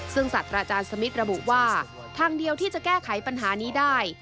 ซึ่งสัตว์อาจารย์สมิทระบุว่าทางเดียวที่จะแก้ไขปัญหานี้ได้